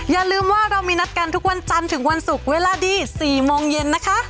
อย่าลืมว่าเรามีนัดกันทุกวันจันทร์ถึงวันศุกร์เวลาดี๔โมงเย็นนะคะ